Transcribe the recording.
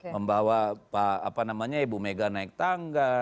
membawa ibu mega naik tangga